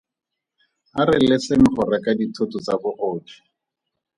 A re leseng go reka dithoto tsa bogodu.